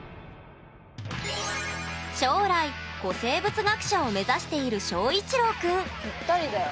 将来古生物学者を目指している翔一郎くんぴったりだよ。